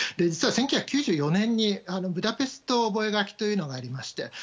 実は１９９４年ブダペスト覚書というのがありまして